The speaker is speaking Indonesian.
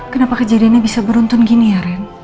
kenapa kejadiannya bisa beruntun gini ya ren